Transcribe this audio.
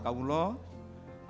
dan berhubungan dengan kisah